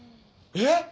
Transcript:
えっ？